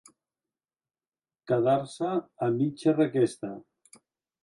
Quedar-se a mitja requesta.